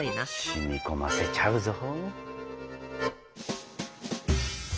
染み込ませちゃうぞ。